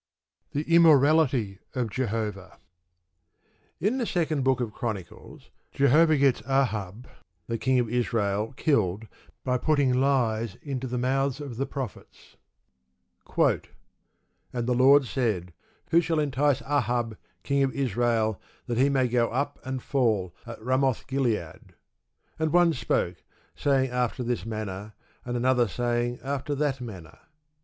The Immorality Of Jehovah In the Second Book of Chronicles Jehovah gets Ahab, King of Israel, killed by putting lies into the mouths of the prophets: And the Lord said, Who shall entice Ahab, king of Israel, that he may go up and fall at Ramoth gilead? And one spake, saying after this manner, and another saying after that manner.